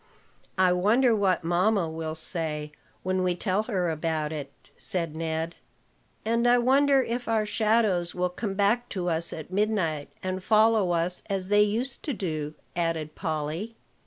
"I wonder what mamma will say, when we tell her about it," said Ned. "And I wonder if our shadows will come back to us at midnight, and follow us as they used to do," added Polly.